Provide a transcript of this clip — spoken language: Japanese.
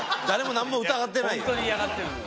誰も何も疑ってないよ。